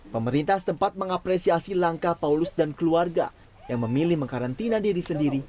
pemerintah setempat mengapresiasi langkah paulus dan keluarga yang memilih mengkarantina diri sendiri